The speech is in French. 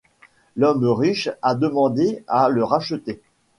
L'homme riche a demandé à le racheter.